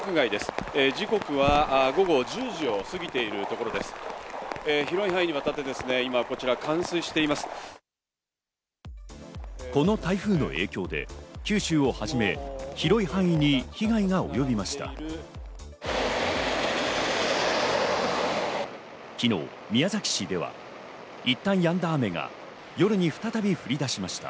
この台風の影響で、九州をはじめ広い範囲に被害が及びました。